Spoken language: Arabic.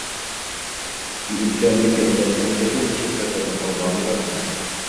بإمكان الكلمات أن تكون شفافة أو غامضة.